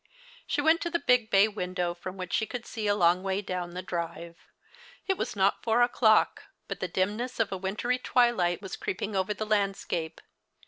She went to the big bay windoAV from which she could see a long way down the drive. It was not four o'clock, but the dimness of a wintry tAvilight was creeping over the landscape.